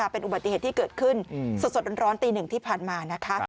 เป็นอุบัติเหตุที่เกิดขึ้นสดร้อนตี๑ที่ผ่านมา